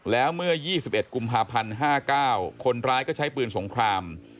แล้วเมื่อ๒๑กุมภาพันธ์๕๙คนร้ายก็ใช้ปืนสงคราม